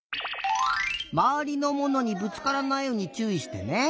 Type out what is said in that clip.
まわりのものにぶつからないようにちゅういしてね！